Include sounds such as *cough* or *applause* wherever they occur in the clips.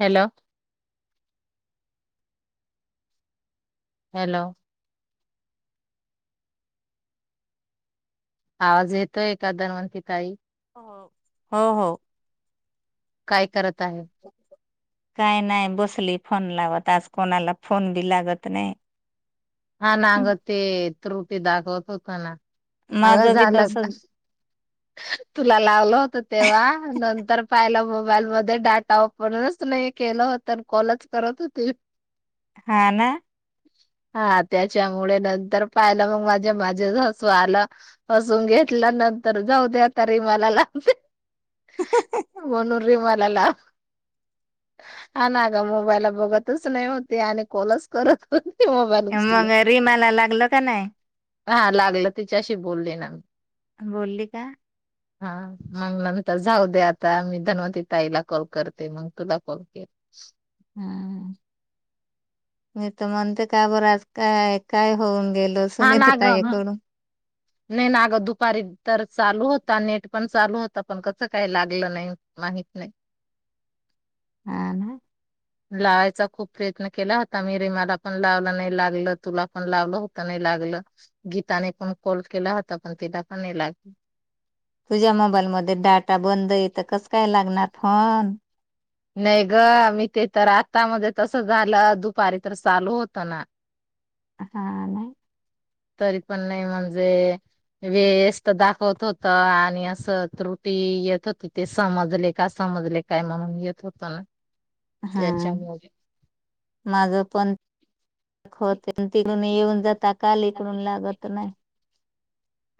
Hello hello आवाज येतोय ए का दनवंती ताई हो. हो हो काय करत आहे काय नाही बसली फोन लावत आज कोणाला फोन बी लागत नाही हा नागत रुटी दाखवत होत ना अगं माझं बी झालं तस तुला लावलं होत तेव्हा नंतर पाहिलं मोबाईल म डाटापनच नाही केलं होत कॉलच करत होती हा ना हा त्याच्यामुळे नंतर पाहिलं मग माझ्या माझ्यासू आलं हसून घेतलं नंतर जाऊ द्या तरी मला लाते नू रे म ा ग मोबाईल बघतच नाही हो आणि कलच करत हो मग रिमाला लागल का नाही हा लागलं तिच्याशी बोलले ना बोलली का हा मग नंतर जाऊ दे आता मी धनवती ताईला कॉल करते मग तुला कॉल केल हम मी तर म्हणते का बरं आज काय काय होऊन गेलो असून हा येत ना ग म- ताईकडून नाही ना अगं दुपारी तर चालू होता नेट पण चालू होता पण कस काही लागलं नाही माहित नाही हा ना लावायचा खूप प्रयत्न केला होता मी रेमाला पण लावला नाही लागलं तुला पण लावलं होत नाही लागल गीताने पण कॉल केला होता पण तिला पण नाही लागल तुझ्या मोबाईलमध्ये डाटा बंद येत कस काय लागणार फान नाही ग मी ते तर आतामध्ये तस झालं दुपारी तर चालू होत ना हा नाही तरी पण नाही म्हणजे वेस् दाखवत होत आणि असं त्रुटी येत होती ते समजले का समजले काय म्हणून येत होतं ना हा त्याच्यामुळे माझ पणत तिकडून येऊन जाता काल इकडून लाग गत नाही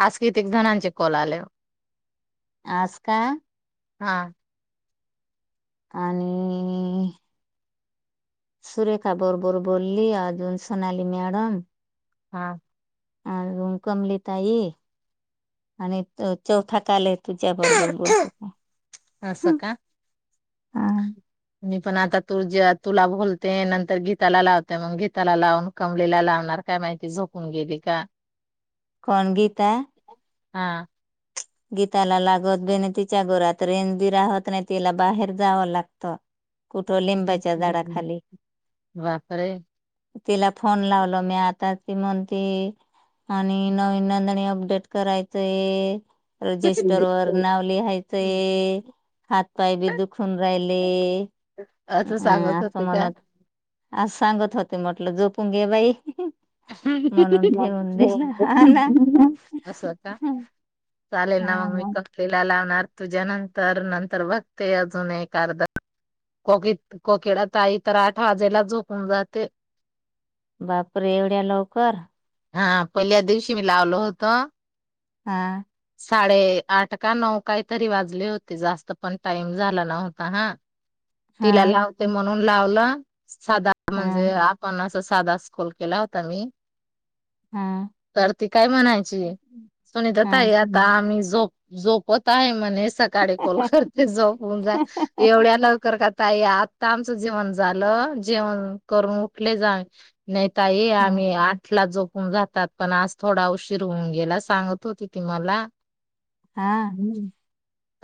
आज कतक जणांचे कोल आले आस्का हा आणि सुरेखा बरोबर बोलली अजून सोनाली मॅडम हा अ रुण कमली ताई आणि चौथा कालेत तुझ्या बरोबर बोलत का असं का हा मी पण आता तू ज तुला बोलते नंतर गीताला लावते मग गीताला लावून कमलेला लावणार काय माहिती झोपून गेली का कोण गीता हा गीताला लागत बी नाही तिच्या घरात रेंज पण राहत नाही तिला बाहेर जावं लागत कुठ लिंबाच्या झाडाखाली बापरे तिला फोन लावल मी आताच ती म्हणते आणि नवीन नंदणी अपडेट करायचंय रजिस्टर वर नाव लिहायचं हातपाय बी दुखून राहिले असं सांगत असं होते का म्हणत अस सांगत होते म्हटलं झोप पंगेबाई हि हा ना असं आता चालेल ना मग मी फला लावणार तुझ्या नंतर नंतर बघते अजून एक अर्धा कोकिळा ता ई तर आठ वाजेला झोपून जाते बापर एवढ्या लवकर हा पहिल्या दिवशी मी लावलो होत हा साडे आठ का नऊ काही तरी वाजले होते जास्त पण टाइम झाला नव्हता हा तिला हा लावते मग म्हणून लावलं साधारण हा म्हणजे आपण अस साधा कॉल केला होता मी हा तर ती काय म्हणायची सनी तर त हा या दमी झो झोपत आहे म्हणेस सकाळी कॉल करते जाऊन जा एवढ्या लवकर काय आत्ता आमचं जेवण झालं जेवण करून उठले जा नाही ताई हा आम्ही आठला जो जातात पण आज थोडा उशीर होऊ न गेला सांगत होती. ति मला हा. हम्म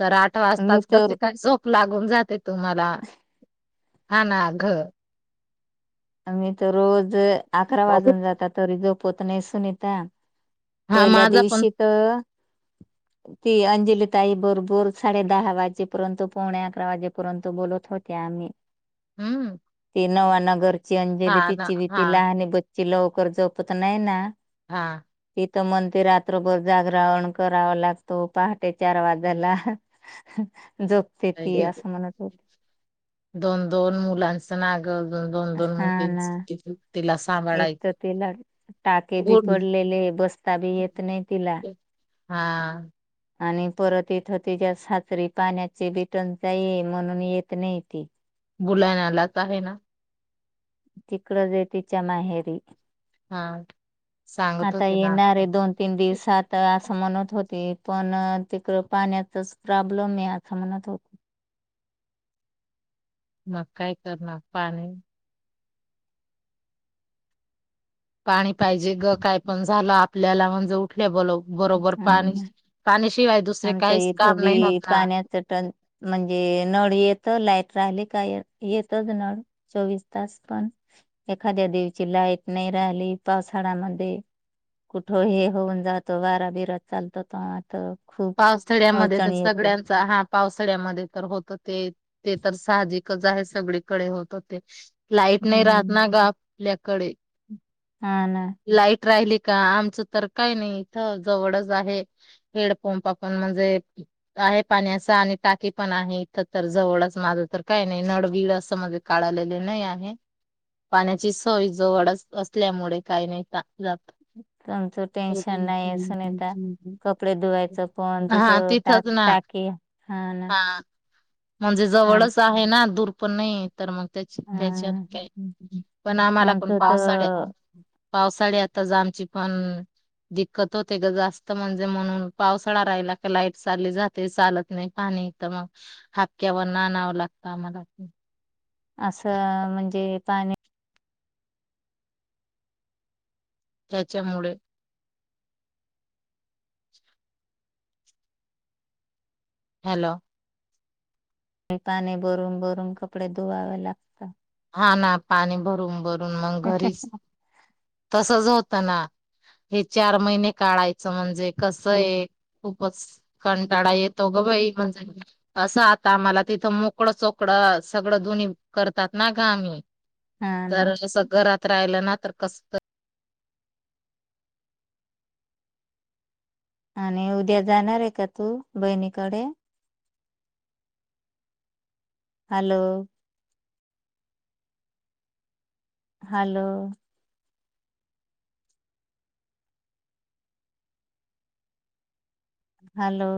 तर आठ मी वाजताच तर कसे काय झोप. लागून जाते तुम्हाला हा ना घ. आम्ही तर रोज अकरा वाजून जातात तरी नाही सुनीता. हा पहिल्या माझा पण दिवशी त ती अंजलतााई बरोबर साडे दहा वाजेपर्यंत पोणे अकरा वाजेपर्यंत बोलत होते आम्ही हम्. नवा नगर ची अंजली तिची ती लहान ब कि लवकर झोपत नाही ना. हा. तिथ मण ते रात्रभर जागरवण करावा लागतो पहाटे चार वाजेला दोन दोन मुलां ना. दोन दोन हा ना मु तिला एक सांभाळायचं. तर तिला टाके बी बोल पडलेले बसता बी येत नाही तिला हा. आणि परत इथं तिच्या साासरी पाण्याची बिटण जाई म्हणून येत नाही ती बुलायन आलाच आहे ना. तिकडं ज तिच्या माहेरी हा सांगत आता होते ना आता येणारे दोन तीन दिवस आता असं म्हणत होते. पण तिकडं पाण्याचाच प्रॉब्लेम आहे आता मनात हो. मग काय करणार पाणी पाणी पाहिजे ग काय पण झालं आपल्याला म्हणजे उठल्या बोलव. हा दुसरे आमच काहीच इथं काम नाही होत बी ना पाण्याच टन म्हणजे नळी येत लाय. राहिले काय येतच नळ चोवीस तास पण एखाद्या दिवची लाईट नाही राहिली पावसाळ्यामध्ये कुठे हे होऊन जात. तो वारा बरा चालतो ह. पावसाळ्यामध्ये तर सगळ्यांचा हा पावसाळ्यामध्ये तर होत ते ते तर साहजिकच आहे सगळीकडे होत होते. लाईट नाही राहत हम्म ना गप *unintelligible* कडे हा ना लाईट राहिली का आमच तर काही नाही इथ जवळच आहे हेड. पंपा पण म्हणजे आहे पाण्याचा आणि टाकी पण आहे. इथं तर जवळच माझं तर काही नाही नळबीळ असं म्हणजे काढलेले नाही आहे. पाण्याची सोय जवळच असल्यामुळे काही नाही ता जात आमचं टेन्शन नाही सूनिता कपडे दु ठवायच पण हा तिथं टा तिथंच ना टाकी हा ना हा म्हणजे आम जवळच आहे ना. दुर पण नाही तर मग त्याची हा. त्याच्यात पण आम्हाला पण आमचं तर पावसाळ्यात पावसाळ्यात आमची पण दिक्कत होते ग जास्त म्हणजे म्हणून पावसाळा राहिला का लाईट चालली जाते. चालत नाही पाणी तर मग हापक्यावर न आणवं लागत आम्हाला. असं म्हणजे पाणी त्याच्यामुळे *inaudible* हॅलो पाणी भरून भरून कपडे धुवावे लागतात. हा ना पाणी भरून भरून मग घरीच तसच होत. ना हे चार महिने काढायचं म्हणजे कस आहे खूपच कंटाळा येतो ग बाई. म्हणजे असं आता आमला तिथं मोकळं चोकड सगळं दोनी करतात. ना गं आम्ही हा ना तर अस घरात राहिलं ना तर कस त आणि उद्या जाणार आहे का तू बहिणीकडे. Hello hello hello